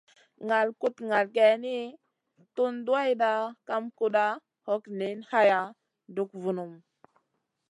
Ŋal kuɗ ŋal geyni, tun duwayda kam kuɗa, hog niyn haya, dug vun.